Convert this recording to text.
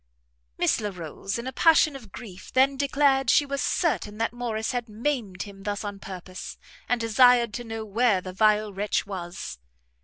Miss Larolles, in a passion of grief, then declared she was certain that Morrice had maimed him thus on purpose, and desired to know where the vile wretch was?